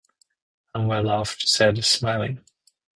“I’m well off,” she said, smiling.